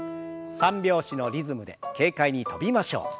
三拍子のリズムで軽快に跳びましょう。